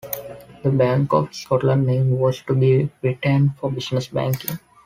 The Bank of Scotland name was to be retained for business banking.